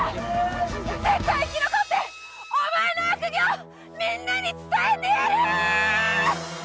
絶対生き残ってお前の悪行みんなに伝えてやる！